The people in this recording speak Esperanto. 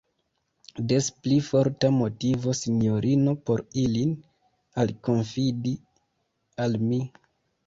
Des pli forta motivo, sinjorino, por ilin alkonfidi al mi.